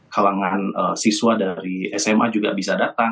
kalangan siswa dari sma juga bisa datang